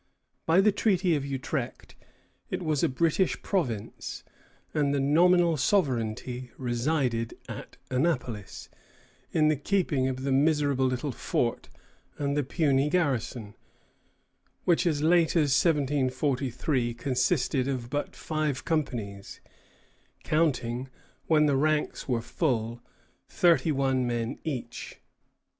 By the Treaty of Utrecht it was a British province, and the nominal sovereignty resided at Annapolis, in the keeping of the miserable little fort and the puny garrison, which as late as 1743 consisted of but five companies, counting, when the ranks were full, thirty one men each.